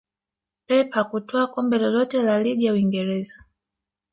pep hakutwaa kombe lolote la ligi ya uingereza